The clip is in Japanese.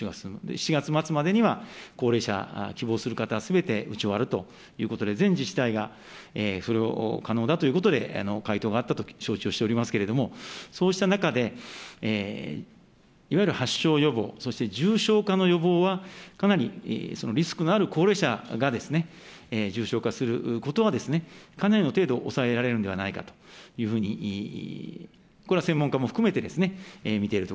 ７月末までには高齢者、希望する方すべて打ち終わるということで、全自治体がそれを可能だということで、回答があったと承知をしておりますけれども、そうした中で、いわゆる発症予防、そして重症化の予防は、かなりリスクのある高齢者が重症化することは、かなりの程度、抑えられるんではないかというふうに、これは専門家も含めてです